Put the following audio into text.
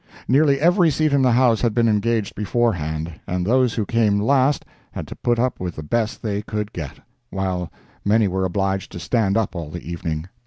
Nearly every seat in the house had been engaged beforehand, and those who came last had to put up with the best they could get, while many were obliged to stand up all the evening.